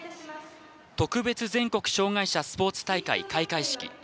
特別全国障害者スポーツ大会開会式。